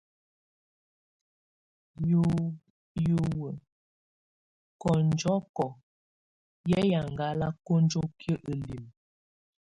Hiuye kɔnjɔkɔk, hɛ́ yaŋngala konjoki elim.